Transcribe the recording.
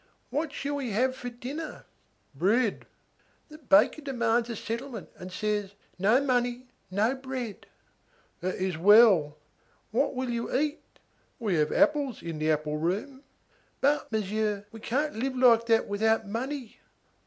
"What shall we have for dinner?" "Bread." "The baker demands a settlement, and says, 'no money, no bread.'" "That is well." "What will you eat?" "We have apples in the apple room." "But, Monsieur, we can't live like that without money."